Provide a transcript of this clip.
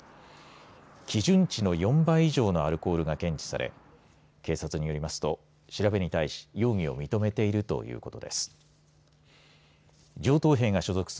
基準値の４倍以上のアルコールが検知され警察によりますと調べに対し容疑を認めているということです。